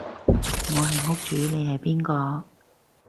我係屋主你係邊個？